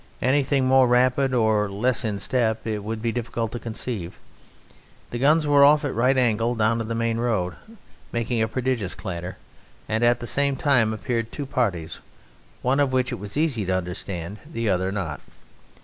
Anything more rapid or less in step it would be difficult to conceive. The guns were off at a right angle down the main road, making a prodigious clatter, and at the same time appeared two parties, one of which it was easy to understand, the other not.